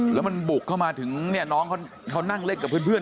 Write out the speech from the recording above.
แล้วมันบุกเข้ามาถึงเนี่ยน้องเขานั่งเล่นกับเพื่อน